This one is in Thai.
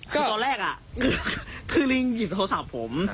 ก็ตอนแรกคือลิงหยิบโทรศัพท์ผม